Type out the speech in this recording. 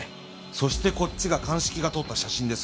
そしてこっちが鑑識が撮った写真です。